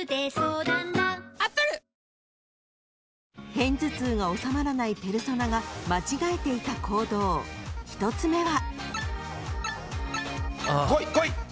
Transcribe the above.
［片頭痛が治まらないペルソナが間違えていた行動１つ目は］